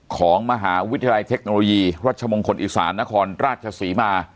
ของมหาวิทยาลัยเทคโนโลยีรัชมงคลอีสานนครราชศรีมา